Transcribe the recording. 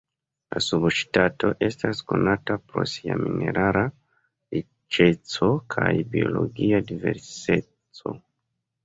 La subŝtato estas konata pro sia minerala riĉeco kaj biologia diverseco.